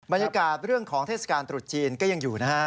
บรรยากาศเรื่องของเทศกาลตรุษจีนก็ยังอยู่นะฮะ